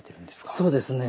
そうですね